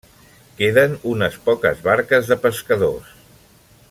Queden unes poques barques de pescadors.